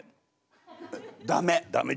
ダメ？